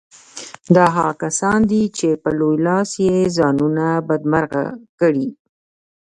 دا هغه کسان دي چې په لوی لاس یې ځانونه بدمرغه کړي